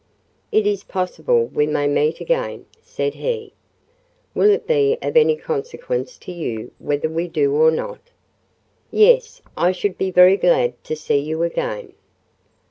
"It is possible we may meet again," said he; "will it be of any consequence to you whether we do or not?" "Yes, I should be very glad to see you again."